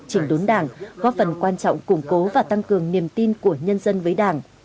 chỉnh đốn đảng góp phần quan trọng củng cố và tăng cường niềm tin của nhân dân với đảng